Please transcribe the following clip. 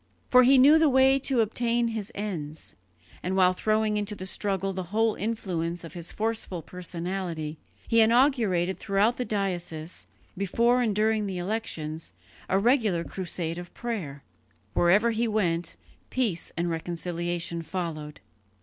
For he knew the way to obtain his ends; and while throwing into the struggle the whole influence of his forceful personality, he inaugurated throughout the diocese, before and during the elections, a regular crusade of prayer. Wherever he went, peace and reconciliation followed.